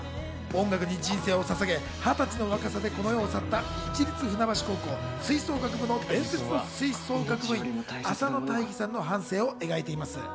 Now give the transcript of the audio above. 音楽に人生をささげ、２０歳の若さでこの世を去った市立船橋高校吹奏楽部の伝説の吹奏楽部員、浅野大義さんの半生を描いています。